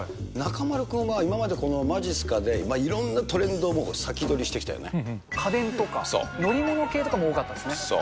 中丸君は今までこのまじっすかで、いろんなトレンドを先取りしてきたよね。家電とか、乗り物系とかも多かったですね。